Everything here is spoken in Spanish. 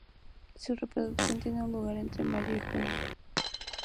Su reproducción tiene lugar entre mayo y junio.